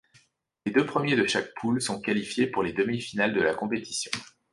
Les deux premiers de chaque poule sont qualifiés pour les demi-finales de la compétition.